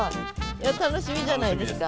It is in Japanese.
楽しみじゃないですか。